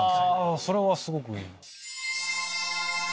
あそれはすごくいい。